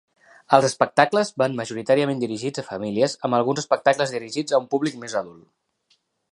Els espectacles van majoritàriament dirigits a famílies, amb alguns espectacles dirigits a un públic més adult.